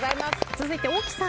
続いて大木さん。